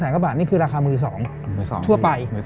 ๒๐๐๐กบนี่คือราคา๑๒๐๐๐บาททั่วไป